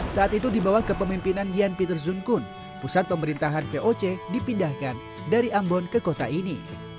saat itu dibawa ke pemimpinan gian peter zunkun pusat pemerintahan voc dipindahkan dari ambon ke kota ini